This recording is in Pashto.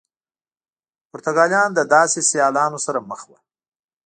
پرتګالیان له داسې سیالانو سره مخ وو.